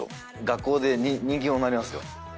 学校で人気者になりますよ。